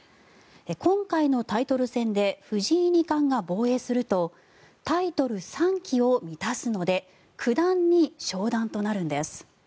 今回のタイトル戦で藤井二冠が防衛するとタイトル３期を満たすので九段に昇段となるんです。